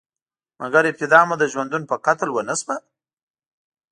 مګر، ابتدا مو د ژوندون په قتل ونشوه؟